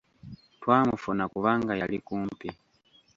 Twamufuna kubanga yali kumpi.